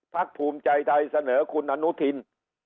ภูมิใจไทยเสนอคุณอนุทิน